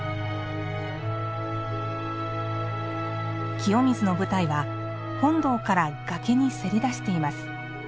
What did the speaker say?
清水の舞台は、本堂から崖にせり出しています。